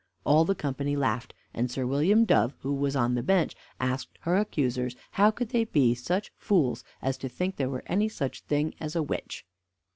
All the company laughed; and Sir William Dove, who was on the bench, asked her accusers how they could be such fools as to think there was any such thing as a witch?